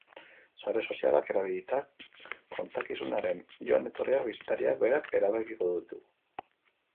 Sare sozialak erabilita, kontakizunaren joan-etorriak bisitariak berak erabakiko ditu.